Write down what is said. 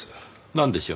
なんでしょう？